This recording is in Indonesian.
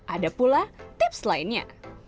ada pula tips lainnya